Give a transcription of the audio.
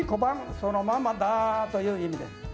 そのままだという意味です。